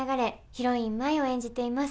ヒロイン舞を演じています。